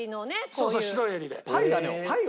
そうそう白い襟で。